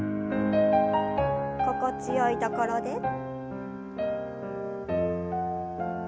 心地よいところで。